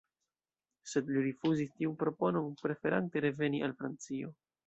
Sed li rifuzis tiun proponon, preferante reveni al Francio.